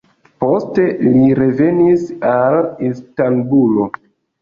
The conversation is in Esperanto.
Poste li revenis al Istanbulo.